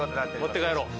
持って帰ろう。